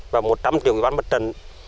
và một trăm linh triệu của bán bất trần